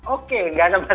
oke enggak ada masalah